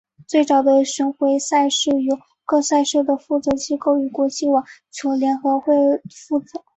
最早的巡回赛是由各赛事的负责机构与国际网球联合会负责。